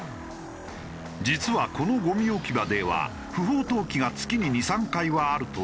実はこのゴミ置き場では不法投棄が月に２３回はあるという。